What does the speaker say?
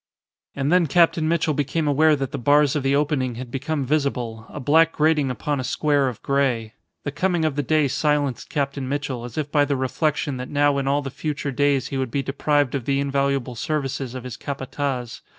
And then Captain Mitchell became aware that the bars of the opening had become visible, a black grating upon a square of grey. The coming of the day silenced Captain Mitchell as if by the reflection that now in all the future days he would be deprived of the invaluable services of his Capataz.